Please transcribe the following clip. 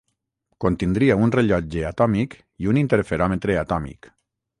Contindria un rellotge atòmic i un interferòmetre atòmic.